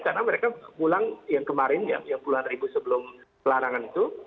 karena mereka pulang yang kemarin ya yang puluhan ribu sebelum pelarangan itu